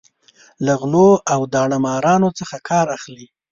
له غلو او داړه مارانو څخه کار اخلي.